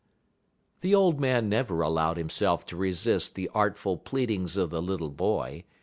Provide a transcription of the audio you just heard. The old man never allowed himself to resist the artful pleadings of the little boy.